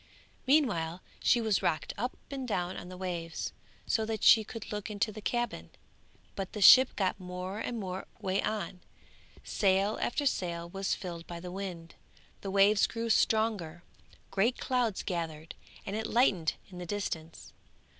Meanwhile she was rocked up and down on the waves, so that she could look into the cabin; but the ship got more and more way on, sail after sail was filled by the wind, the waves grew stronger, great clouds gathered, and it lightened in the distance.